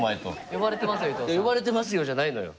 「呼ばれてますよ」じゃないのよ。